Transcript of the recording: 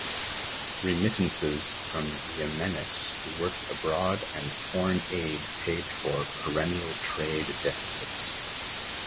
Remittances from Yemenis working abroad and foreign aid paid for perennial trade deficits.